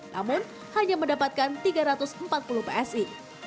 namun hanya mendapatkan tiga ratus empat puluh psi